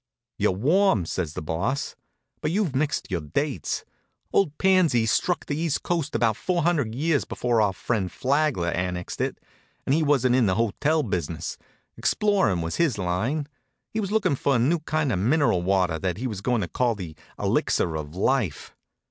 "You're warm," says the Boss, "but you've mixed your dates. Old Panzy struck the east coast about four hundred years before our friend Flagler annexed it. And he wasn't in the hotel business. Exploring was his line. He was looking for a new kind of mineral water that he was going to call the Elixir of Life.